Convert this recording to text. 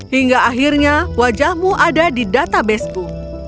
hingga akhirnya wajahmu ada di databaseku